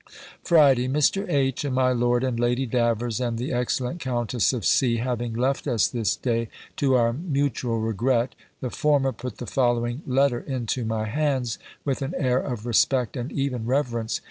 FRIDAY. Mr. H. and my Lord and Lady Davers and the excellent Countess of C. having left us this day, to our mutual regret, the former put the following letter into my hands, with an air of respect and even reverence.